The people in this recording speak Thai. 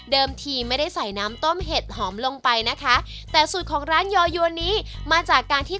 เดิมทีไม่ได้ใส่น้ำต้มเห็ดหอมลงไปนะคะแต่สูตรของร้านยอยวะนี้